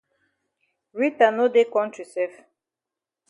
Rita no dey kontri sef.